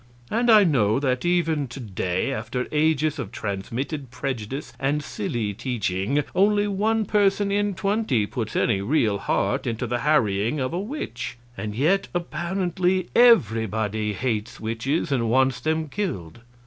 And I know that even to day, after ages of transmitted prejudice and silly teaching, only one person in twenty puts any real heart into the harrying of a witch. And yet apparently everybody hates witches and wants them killed.